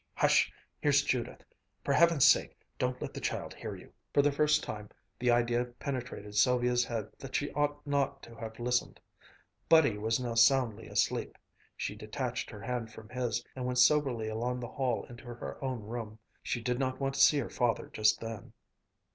Hush! Here's Judith. For Heaven's sake don't let the child hear you!" For the first time the idea penetrated Sylvia's head that she ought not to have listened. Buddy was now soundly asleep: she detached her hand from his, and went soberly along the hall into her own room. She did not want to see her father just then.